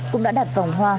cũng đã đặt vòng hoa